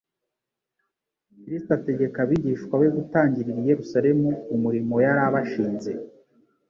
Kristo ategeka abigishwa be gutangirira i Yerusalemu umurimo yari abashinze.